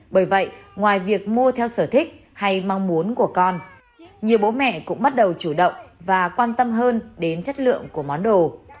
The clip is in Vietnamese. bởi vậy ngoài việc mua theo sở thích hay mong muốn của con nhiều bố mẹ cũng bắt đầu chủ động và quan tâm hơn đến chất lượng của món đồ